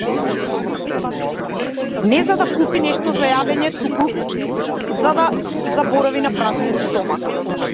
Не за да купи нешто за јадење, туку за да заборави на празниот стомак.